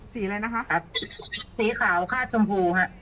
สีอะไรนะคะสีขาวค่าชมพูค่ะ